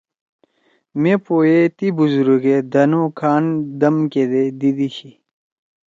مے پو ئے تی بُزرگے دھن او کان دم کیدے دیِدیِشیی ۔